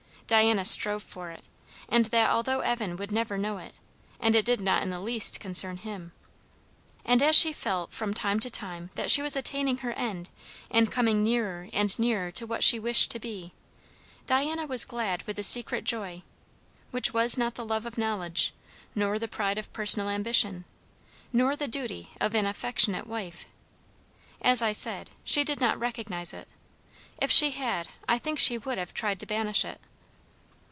Diana strove for it, and that although Evan would never know it, and it did not in the least concern him. And as she felt from time to time that she was attaining her end and coming nearer and nearer to what she wished to be, Diana was glad with a secret joy, which was not the love of knowledge, nor the pride of personal ambition, nor the duty of an affectionate wife. As I said, she did not recognise it; if she had, I think she would have tried to banish it.